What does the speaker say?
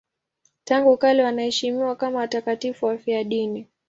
Tangu kale wanaheshimiwa kama watakatifu wafiadini.